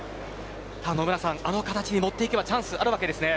野村さん、あの形に持っていけばチャンスがあるわけですね。